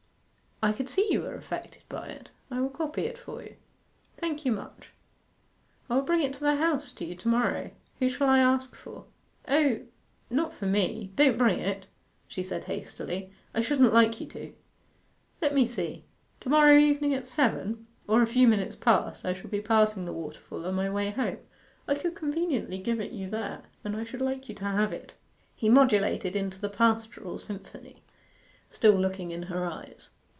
'I could see you were affected by it. I will copy it for you.' 'Thank you much.' 'I will bring it to the House to you to morrow. Who shall I ask for?' 'O, not for me. Don't bring it,' she said hastily. 'I shouldn't like you to.' 'Let me see to morrow evening at seven or a few minutes past I shall be passing the waterfall on my way home. I could conveniently give it you there, and I should like you to have it.' He modulated into the Pastoral Symphony, still looking in her eyes.